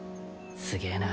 すげえな。